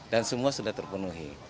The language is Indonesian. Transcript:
dan semua sudah terpenuhi